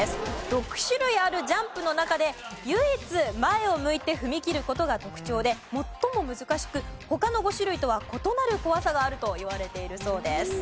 ６種類あるジャンプの中で唯一前を向いて踏み切る事が特徴で最も難しく他の５種類とは異なる怖さがあるといわれているそうです。